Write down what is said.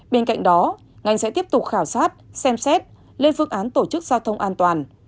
bên cạnh đó ngành sẽ tiếp tục khảo sát xem xét lên phương án tổ chức giao thông an toàn